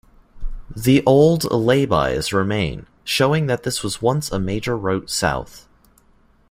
The old lay-bys remain, showing that this was once a major route south.